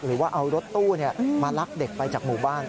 หรือว่าเอารถตู้มาลักเด็กไปจากหมู่บ้าน